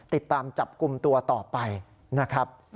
ติดตามจับกลุ่มตัวต่อไปนะครับ